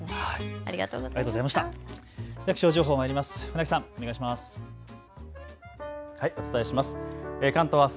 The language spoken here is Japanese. ありがとうございます。